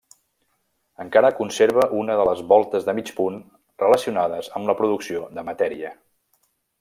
Encara conserva una de les voltes de mig punt relacionades amb la producció de matèria.